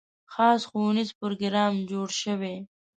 خاص ښوونیز پروګرام جوړ شوی.